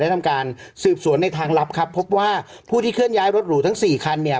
ทำการสืบสวนในทางลับครับพบว่าผู้ที่เคลื่อนย้ายรถหรูทั้งสี่คันเนี่ย